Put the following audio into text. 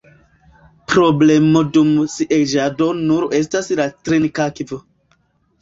Problemo dum sieĝado nur estas la trinkakvo.